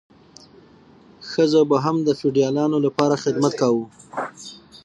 ښځو به هم د فیوډالانو لپاره خدمت کاوه.